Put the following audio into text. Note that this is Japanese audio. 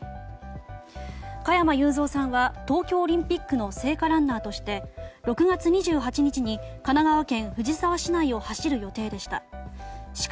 加山雄三さんは東京オリンピックの聖火ランナーとして６月２８日に神奈川県藤沢市内を走る予定でした。